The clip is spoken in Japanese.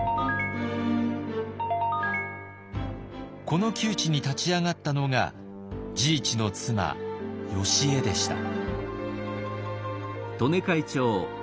この窮地に立ち上がったのが治一の妻よしえでした。